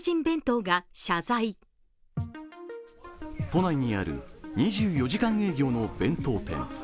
都内にある２４時間営業の弁当店。